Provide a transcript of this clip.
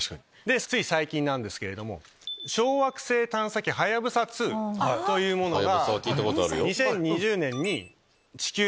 つい最近なんですけども小惑星探査機はやぶさ２というものが。